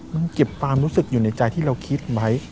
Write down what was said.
มันเก็บความรู้สึกอยู่ในใจที่เราคิดไว้